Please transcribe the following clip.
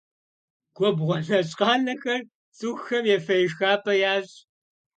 Губгъуэ нэщӏ къэнахэр цӏыхухэм ефэ-ешхапӏэ ящӏ.